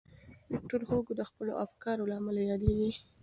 ویکټور هوګو د خپلو افکارو له امله یادېږي.